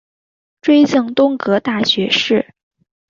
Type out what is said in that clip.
追赠东阁大学士。